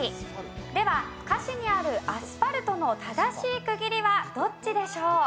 では歌詞にある「アスファルト」の正しい区切りはどっちでしょう？